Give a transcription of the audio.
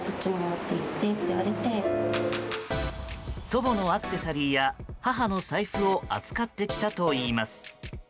祖母のアクセサリーや母の財布を預かってきたといいます。